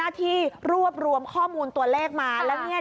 ก็มีส่งข้อมูลเหมือนกัน